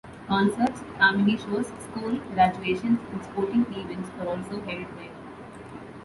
Concerts, family shows, school graduations, and sporting events are also held there.